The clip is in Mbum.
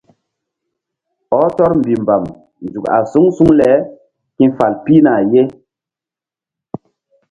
Ɔh tɔr mbihmbam nzuk a suŋ suŋ le ki̧fal pihna.